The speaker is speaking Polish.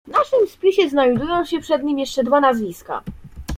"W naszym spisie znajdują się przed nim jeszcze dwa nazwiska."